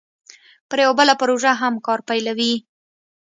پر یوه بله پروژه هم کار پیلوي